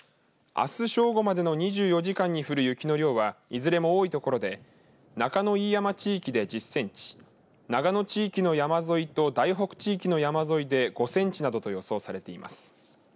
あす正午までの２４時間に降る雪の量はいずれも多い所で中野飯山地域で１０センチ長野地域の山沿いと大北地域の山沿いで５センチなどと予想されています。